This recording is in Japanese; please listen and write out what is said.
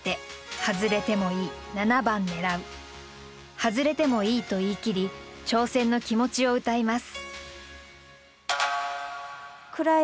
「外れてもいい」と言い切り挑戦の気持ちをうたいます。